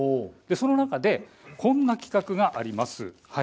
その中でこんな企画があります。